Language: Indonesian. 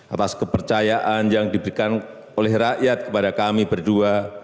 atas kepercayaan yang diberikan oleh rakyat kepada kami berdua